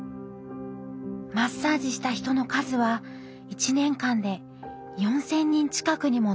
マッサージした人の数は１年間で４，０００人近くにも上ります。